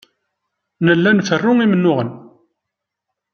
Nella nferru imennuɣen.